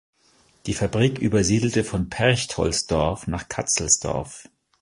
Die Fabrik übersiedelte von Perchtoldsdorf nach Katzelsdorf.